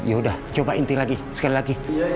yaudah coba inti lagi sekali lagi